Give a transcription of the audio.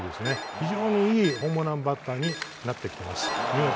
非常にいいホームランバッターになってきています。